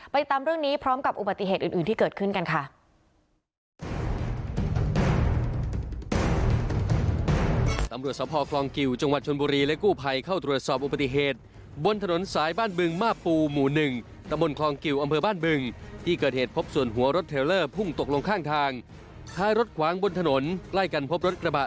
ตามเรื่องนี้พร้อมกับอุบัติเหตุอื่นที่เกิดขึ้นกันค่ะ